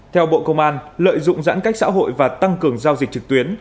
theo bộ công an lợi dụng giãn cách xã hội và tăng cường giao dịch trực tuyến